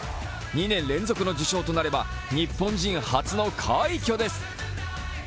２年連続の受賞となれば、日本人初の快挙です。